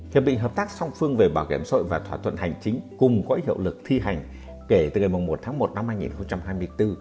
hiệp định hợp tác song phương về bảo hiểm xã hội và thỏa thuận hành chính cùng có hiệu lực thi hành kể từ ngày một tháng một năm hai nghìn hai mươi bốn